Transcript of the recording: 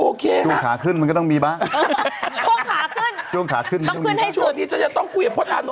อ๋ออยู่นิวซีแลนด์ด้วยกัน